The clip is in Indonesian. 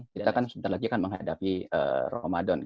kita kan sebentar lagi kan menghadapi ramadan